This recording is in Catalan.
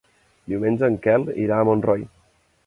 Diumenge en Quel irà a Montroi.